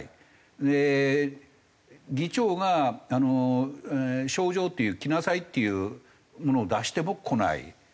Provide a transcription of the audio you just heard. で議長が招状っていう来なさいっていうものを出しても来ない。